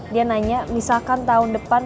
dia nanya misalkan tahun depan